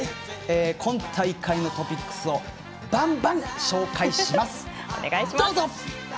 今大会のトピックスをばんばん紹介します！